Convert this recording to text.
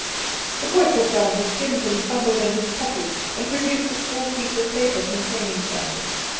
The boy put down his skins and fumbled in his pocket, and produced a small piece of paper containing something.